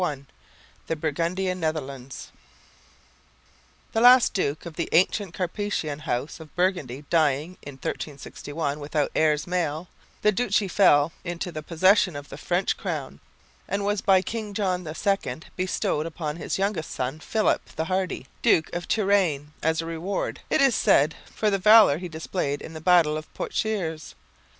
444 CHAPTER I THE BURGUNDIAN NETHERLANDS The last duke of the ancient Capetian house of Burgundy dying in 1361 without heirs male, the duchy fell into the possession of the French crown, and was by King John II bestowed upon his youngest son, Philip the Hardy, Duke of Touraine, as a reward, it is said, for the valour he displayed in the battle of Poictiers.